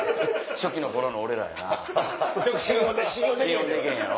初期の頃の俺らやな。